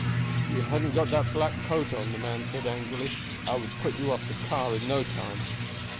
"If you hadn't got that black coat on," the man said angrily, "I would put you off the car in no time."